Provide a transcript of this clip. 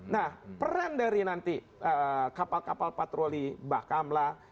nah peran dari nanti kapal kapal patroli bakam lah